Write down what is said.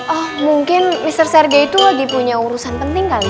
oh mungkin mister srege itu lagi punya urusan penting kali